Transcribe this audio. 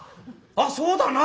あっそうだな！